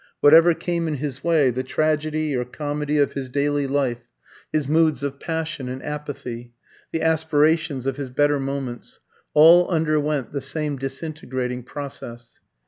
Whatever came in his way, the tragedy or comedy of his daily life, his moods of passion and apathy, the aspirations of his better moments, all underwent the same disintegrating process.